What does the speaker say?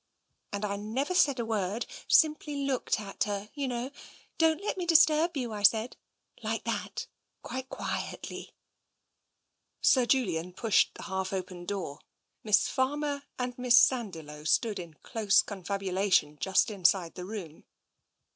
And I never said a word. Simply looked at her, you know. ' Don't let me disturb you,' I said. Like that, quite quietly." 243 TENSION 243 Sir Julian pushed the half open door. Miss Farmer and Miss Sandiloe stood in close confabulation just inside the room.